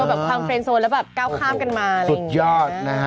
เออแบบความเฟรนด์โซนแล้วแบบก้าวข้ามกันมาอะไรอย่างนี้นะฮะ